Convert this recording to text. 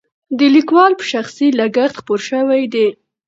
د لیکوال په شخصي لګښت خپور شوی دی.